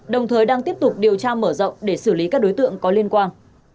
đồng thời đang tiếp tục điều tra mở rộng để xử lý các đối tượng có liên quan